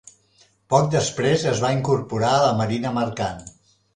Poc després es va incorporar a la Marina Mercant.